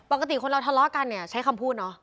ปกติคนเราทะเลาะกันเนี่ยใช้คำพูดเนาะ